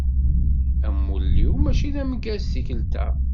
Amulli-w mačči d ameggaz tikelt-a.